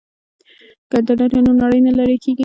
که انټرنیټ وي نو نړۍ نه لیرې کیږي.